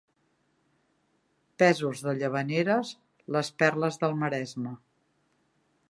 Pèsols de Llavaneres, les perles del Maresme.